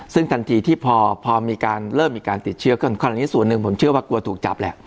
ซึ่งทันทีที่พอมีการเริ่มมีการติดเชื้อขึ้นคราวนี้ส่วนหนึ่งผมเชื่อว่ากลัวถูกจับแหละ